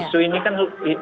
isu ini kan